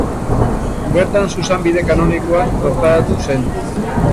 Bertan zuzenbide kanonikoan doktoratu zen.